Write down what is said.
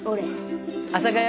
「阿佐ヶ谷